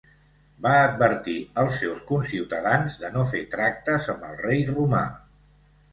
Va advertir als seus conciutadans de no fer tractes amb el rei romà.